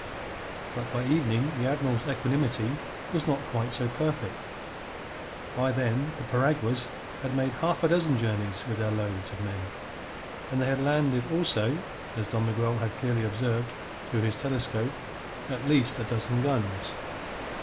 But by evening the Admiral's equanimity was not quite so perfect. By then the piraguas had made a half dozen journeys with their loads of men, and they had landed also as Don Miguel had clearly observed through his telescope at least a dozen guns.